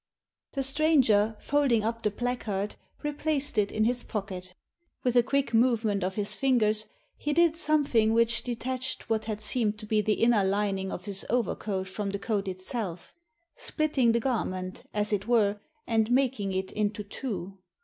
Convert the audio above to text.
The stranger, folding up the placard, replaced it in his pocket With a quick movement of his fingers he did something which detached what had seemed to be the inner lining of his overcoat from the coat itself— splitting the garment, as it were, and making it into two.